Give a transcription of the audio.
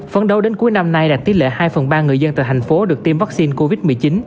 phấn đấu đến cuối năm nay đạt tỷ lệ hai phần ba người dân tại thành phố được tiêm vaccine covid một mươi chín